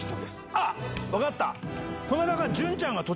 あっ、分かった。